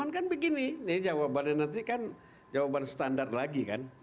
kan begini ini jawabannya nanti kan jawaban standar lagi kan